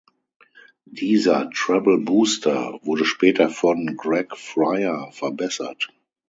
Dieser „treble booster“ wurde später von Greg Fryer verbessert.